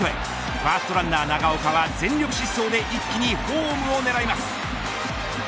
ファーストランナー長岡は全力疾走で一気にホームを狙います。